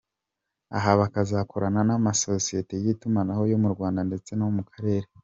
Aha bakazakorana n’amasosiyete y’itumanaho yo mu Rwanda ndetse no mu karere.